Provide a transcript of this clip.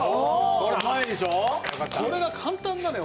ほらこれが簡単なのよ